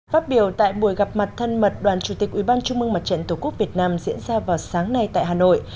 phát biểu tại buổi gặp mặt thân mật đoàn chủ tịch ubnd tổ quốc việt nam diễn ra vào sáng nay tại hà nội